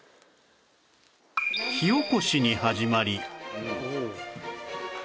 火おこしに始まり